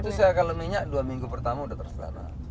itu saya akan lemihnya dua minggu pertama sudah terlah sana